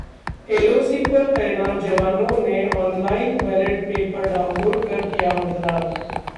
LoC पर तैनात जवानों ने ऑनलाइन बैलेट पेपर डाउनलोड कर किया मतदान